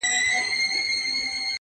o آس که ټکنى دئ، ميدان يي لنډنى دئ!